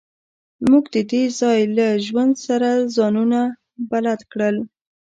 موږ د دې ځای له ژوند سره ځانونه بلد کړل